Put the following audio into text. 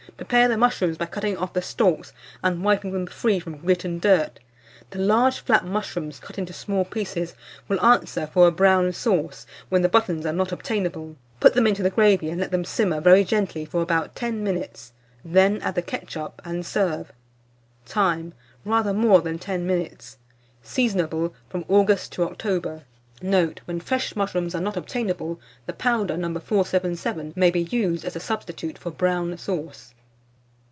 Prepare the mushrooms by cutting off the stalks and wiping them free from grit and dirt; the large flap mushrooms cut into small pieces will answer for a brown sauce, when the buttons are not obtainable; put them into the gravy, and let them simmer very gently for about 10 minutes; then add the ketchup, and serve. Time. Rather more than 10 minutes. Seasonable from August to October. Note. When fresh mushrooms are not obtainable, the powder No. 477 may be used as a substitute for brown sauce.